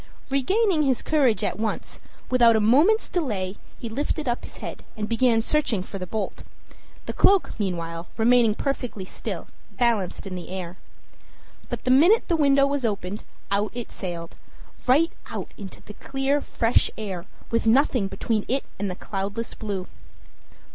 Regaining his courage at once, without a moment's delay he lifted up his head and began searching for the bolt the cloak meanwhile remaining perfectly still, balanced in the air. But the minute the window was opened, out it sailed right out into the clear, fresh air, with nothing between it and the cloudless blue.